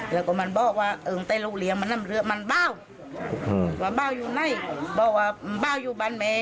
เพราะว่าลูกบ้าว่าบ้าวะ